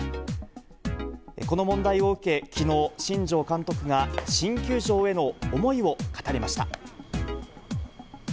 この問題を受け、きのう、新庄監督が新球場への思いを語りました。